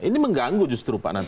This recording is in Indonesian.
ini mengganggu justru pak